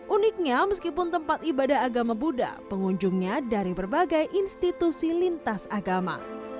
uniknya meskipun tempat ibadah agama buddha pengunjungnya dari berbagai institusi lintas agama